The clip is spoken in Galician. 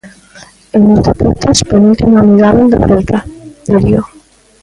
E nos deportes, penúltimo amigable do Celta, Terio.